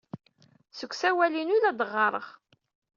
Seg usawal-inu ay la d-ɣɣareɣ.